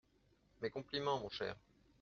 Mes compliments, mon cher.